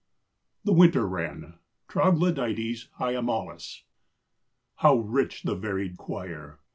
THE WINTER WREN. (Troglodytes hiemalis.) How rich the varied choir!